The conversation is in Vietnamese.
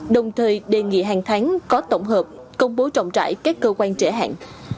đồng thời đề nghị hàng tháng có tổng hợp công bố trọng trải các cơ quan trễ hạn